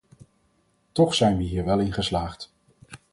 Toch zijn we hier wel in geslaagd.